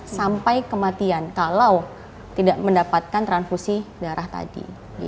sampai kematian kalau tidak mendapatkan transfusi darah tadi